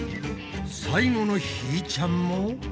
最後のひーちゃんも。